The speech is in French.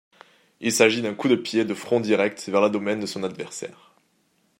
Il s'agit d'un coup de pied de front direct vers l'abdomen de l'adversaire.